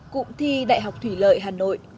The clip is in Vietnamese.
cụm thi đại học thủy lợi hà nội